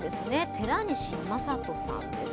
寺西真人さんです。